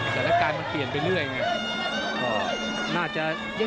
สถานการณ์เปลี่ยนไปเรื่อย